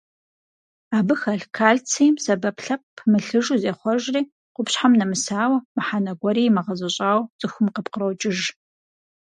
Абы хэлъ кальцийм сэбэп лъэпкъ пымылъыжу зехъуэжри, къупщхьэм нэмысауэ, мыхьэнэ гуэри имыгъэзэщӀауэ цӀыхум къыпкърокӀыж.